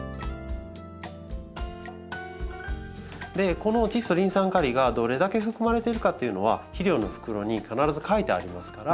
このチッ素リン酸カリがどれだけ含まれてるかっていうのは肥料の袋に必ず書いてありますから。